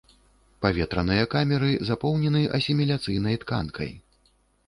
Паветраныя камеры запоўнены асіміляцыйнай тканкай.